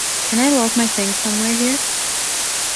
Can I lock my things somewhere here?